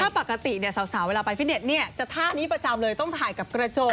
ถ้าปกติเนี่ยสาวเวลาไปฟิตเน็ตเนี่ยจะท่านี่ประจำเลยต้องถ่ายกับกระจก